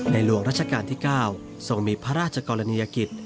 หลวงราชการที่๙ทรงมีพระราชกรณียกิจ